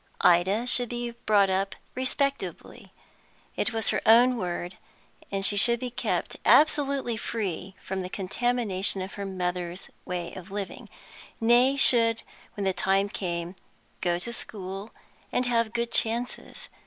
Ida should be brought up "respectably" it was her own word; she should be kept absolutely free from the contamination of her mother's way of living; nay, should, when the time came, go to school, and have good chances.